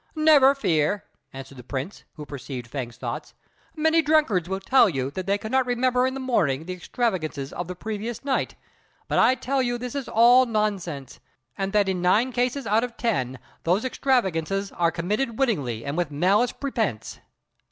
"Never fear," answered the Prince, who perceived Fêng's thoughts; "many drunkards will tell you that they cannot remember in the morning the extravagances of the previous night, but I tell you this is all nonsense, and that in nine cases out of ten those extravagances are committed wittingly and with malice prepense.